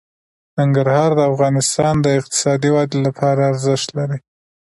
ننګرهار د افغانستان د اقتصادي ودې لپاره ارزښت لري.